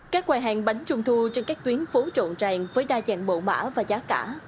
các quầy hàng bánh trung thu trên các tuyến phố rộn ràng với đa dạng mẫu mã và giá cả